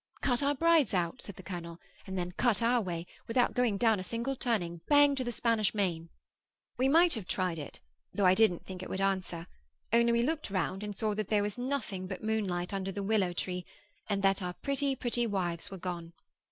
'Cut our brides out,' said the colonel, 'and then cut our way, without going down a single turning, bang to the Spanish main!' We might have tried it, though I didn't think it would answer; only we looked round and saw that there was nothing but moon light under the willow tree, and that our pretty, pretty wives were gone.